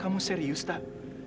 kamu serius tak